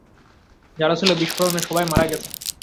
যারা ছিল, বিস্ফোরণে সবাই মারা গেছে।